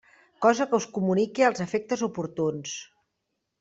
Cosa que us comunique als efectes oportuns.